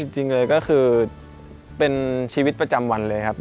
จริงเลยก็คือเป็นชีวิตประจำวันเลยครับ